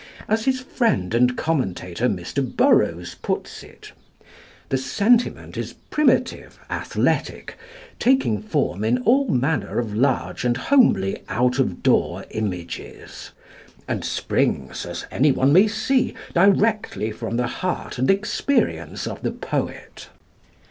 As his friend and commentator Mr. Burroughs puts it: "The sentiment is primitive, athletic, taking form in all manner of large and homely out of door images, and springs, as anyone may see, directly from the heart and experience of the poet."